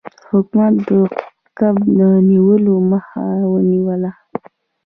حکومت د کب نیولو مخه ونیوله.